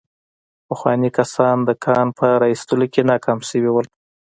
پخواني کسان د کان په را ايستلو کې ناکام شوي وو.